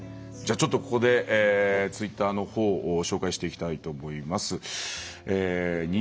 ちょっとここでツイッターのほうを紹介していきたいと思います。